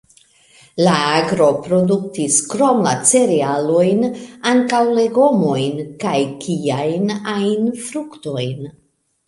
La agro produktis, krom la cerealojn, ankaŭ legomojn kaj kiajn ajn fruktojn.